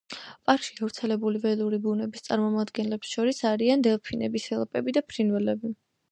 პარკში გავრცელებული ველური ბუნების წარმომადგენლებს შორის არიან დელფინები, სელაპები და ფრინველები.